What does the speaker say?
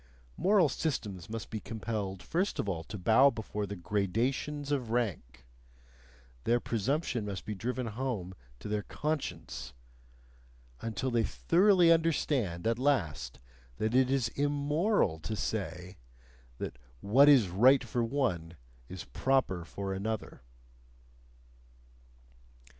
Moral systems must be compelled first of all to bow before the GRADATIONS OF RANK; their presumption must be driven home to their conscience until they thoroughly understand at last that it is IMMORAL to say that 'what is right for one is proper for another.'"